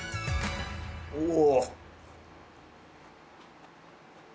おお！